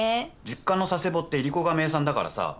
実家の佐世保っていりこが名産だからさ。